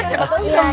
siapa tau bisa bantu